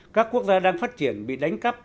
các quốc gia đang phát triển bị đánh cắp